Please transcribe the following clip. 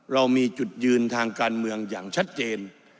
เรามีจุดยืนทางการเมืองอย่างชัดเจน